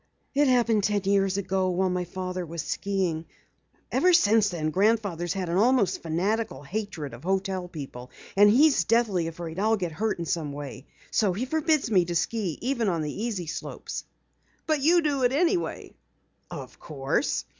"It happened ten years ago while my father was skiing. Ever since then Grandfather has had an almost fanatical hatred of the hotel people. And he is deathly afraid I'll get hurt in some way. He forbids me to ski even on the easy slopes." "But you do it anyway?" "Of course.